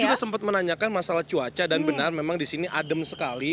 saya juga sempat menanyakan masalah cuaca dan benar memang di sini adem sekali